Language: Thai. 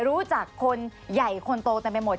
รู้จักคนใหญ่คนโตเต็มไปหมด